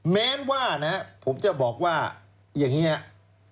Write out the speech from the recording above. แม้ว่านะครับผมจะบอกว่าอย่างนี้ครับ